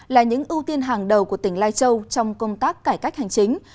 là những ưu tiên hàng đầu của tỉnh lai châu trong công tác cải cách hành chính